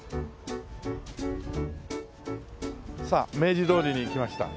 さあ明治通りに来ました。